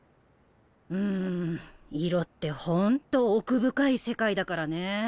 うん色ってほんと奥深い世界だからね。